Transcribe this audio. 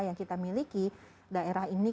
yang kita miliki daerah ini